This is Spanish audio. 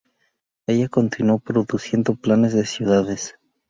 Ella continuó produciendo planes de ciudades.